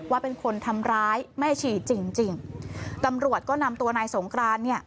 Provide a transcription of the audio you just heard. ว่าเป็นคนทำร้ายแม่ชีจริงจริงตำรวจก็นำตัวนายสงครานเนี่ย